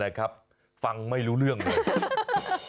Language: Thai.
บ้านี่ฟังไม่รู้เรื่องเลย